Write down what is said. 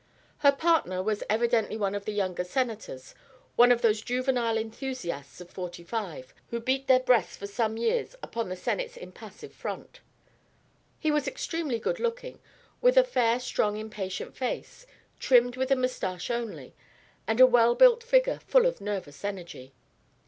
Her partner was evidently one of the younger Senators, one of those juvenile enthusiasts of forty five who beat their breasts for some years upon the Senate's impassive front. He was extremely good looking, with a fair strong impatient face, trimmed with a moustache only, and a well built figure full of nervous energy.